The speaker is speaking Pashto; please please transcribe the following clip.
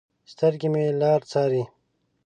سترګې مې لار څارې